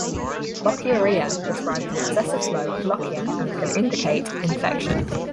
Lochiorrhea describes an excessive flow of lochia and can indicate infection.